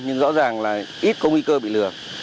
nhưng rõ ràng là ít có nguy cơ bị lừa